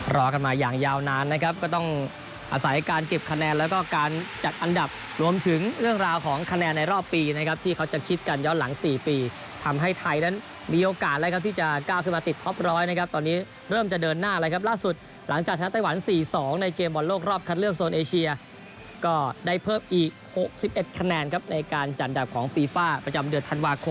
รอกันมาอย่างยาวนานนะครับก็ต้องอาศัยการเก็บคะแนนแล้วก็การจัดอันดับรวมถึงเรื่องราวของคะแนนในรอบปีนะครับที่เขาจะคิดกันย้อนหลังสี่ปีทำให้ไทยนั้นมีโอกาสแล้วครับที่จะก้าวขึ้นมาติดท็อปร้อยนะครับตอนนี้เริ่มจะเดินหน้าเลยครับล่าสุดหลังจากชาติไต้หวันสี่สองในเกมบ่อนโลกรอบคันเลือกโซนเอ